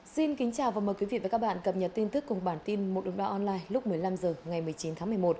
xin kính chào và mời quý vị và các bạn cập nhật tin tức cùng bản tin một đồng đo online lúc một mươi năm h ngày một mươi chín tháng một mươi một